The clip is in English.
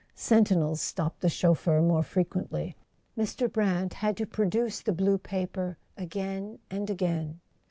Sen¬ tinels stopped the chauffeur more frequently; Mr. Brant had to produce the blue paper again and again.